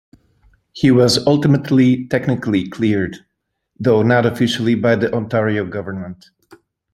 He was ultimately technically cleared, though not officially by the Ontario Government.